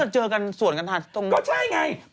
จากธนาคารกรุงเทพฯ